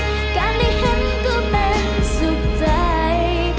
การได้เห็นก็เป็นสุขใจ